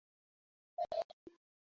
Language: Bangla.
হ্যাঁ, তোমারই নামে দাদা।